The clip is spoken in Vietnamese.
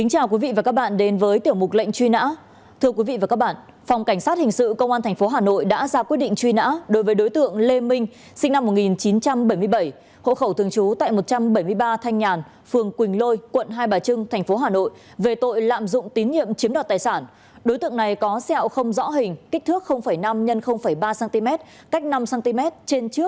hãy đăng ký kênh để ủng hộ kênh của chúng mình nhé